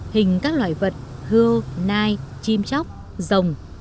hình các loại vật hươu nai chim chóc rồng